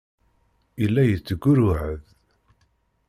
Yella yettgurruɛ-d.